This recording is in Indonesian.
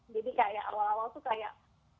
jadi kayak awal awal itu kayak